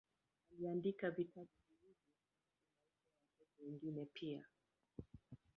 Aliandika vitabu viwili kuhusu maisha ya watu wengine pia.